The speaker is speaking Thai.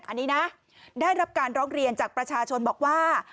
อันนี้นะได้รับการร้องเรียนจากประชาชนบอกว่า